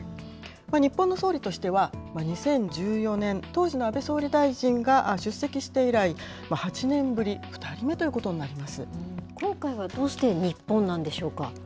日本の総理としては、２０１４年、当時の安倍総理大臣が出席して以来８年ぶり、２人目ということに今回はどうして日本なんでし